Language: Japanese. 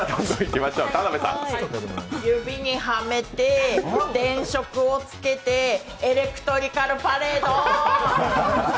指にはめて、電飾をつけてエレクトリカルパレード！